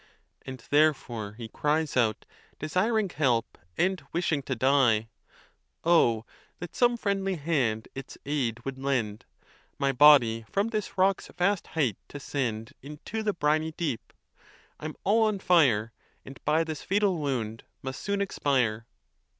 And therefore he cries out, desiring help, and wishing to die, Oh that some friendly hand its aid would lend, My body from this rock's vast height to send Into the briny deep! I'm all on fire, And by this fatal wound must soon expire.